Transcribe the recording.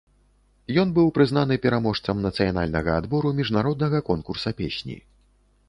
Ён быў прызнаны пераможцам нацыянальнага адбору міжнароднага конкурса песні.